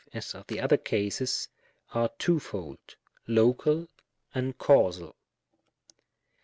as of the other cases, are twofold — Local and Causal.